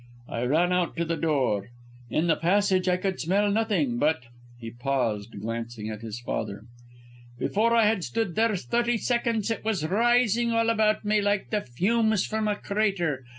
I ran out to the door. In the passage I could smell nothing; but " He paused, glancing at his father. "Before I had stood there thirty seconds it was rising all about me like the fumes from a crater.